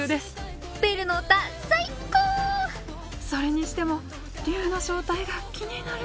それにしても竜の正体が気になる